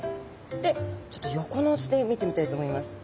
でちょっと横の図で見てみたいと思います。